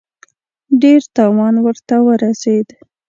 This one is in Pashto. ډېر تاوان ورته ورسېد.